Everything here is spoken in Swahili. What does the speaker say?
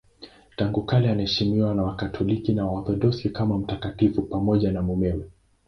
Tangu kale anaheshimiwa na Wakatoliki na Waorthodoksi kama mtakatifu pamoja na mumewe.